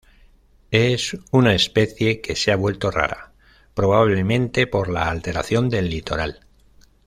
Es una especie que se ha vuelto rara, probablemente por la alteración del litoral.